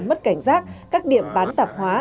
mất cảnh giác các điểm bán tạp hóa